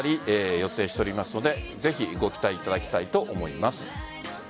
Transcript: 予定しておりますのでぜひご期待いただきたいと思います。